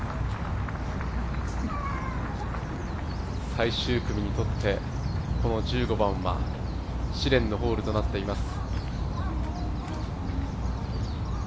最終組にとって、この１５番は試練のホールとなっています。